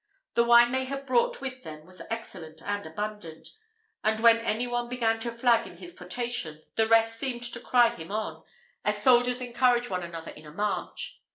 The wine they had brought with them was excellent and abundant; and when any one began to flag in his potation, the rest seemed to cry him on, as soldiers encourage one another in a march.